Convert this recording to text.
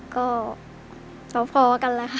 ก็พอกันแหละค่ะ